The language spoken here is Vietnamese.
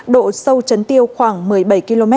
độ sâu chấn tiêu khoảng một mươi bảy km